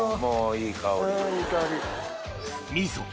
いい香り。